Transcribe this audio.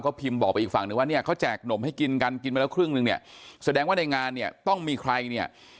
พิมพ์บอกไปอีกฝั่งนึงว่าเนี่ยเขาแจกหนมให้กินกันกินไปแล้วครึ่งนึงเนี่ยแสดงว่าในงานเนี่ยต้องมีใครเนี่ย